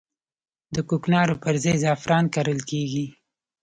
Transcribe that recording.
د کوکنارو پر ځای زعفران کرل کیږي